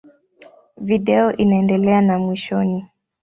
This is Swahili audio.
Video inaendelea na mwishoni.